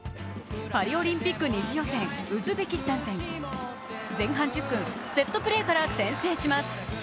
パリオリンピック２次予選、ウズベキスタン戦。前半１０分、セットプレーから先制します。